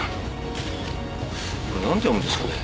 これ何て読むんですかね？